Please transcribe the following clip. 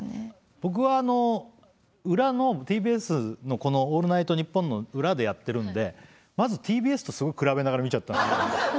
僕は裏のＴＢＳのこの「オールナイトニッポン」の裏でやってるんでまずＴＢＳとすごい比べながら見ちゃった。